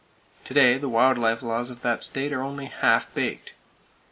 To day the wild life laws of that state are only half baked.